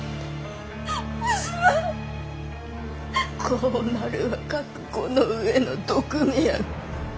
こうなるは覚悟の上の毒味役。